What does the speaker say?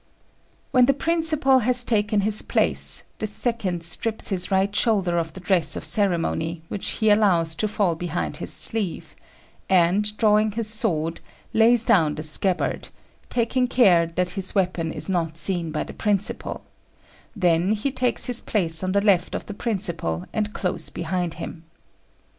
When the principal has taken his place, the second strips his right shoulder of the dress of ceremony, which he allows to fall behind his sleeve, and, drawing his sword, lays down the scabbard, taking care that his weapon is not seen by the principal; then he takes his place on the left of the principal and close behind him.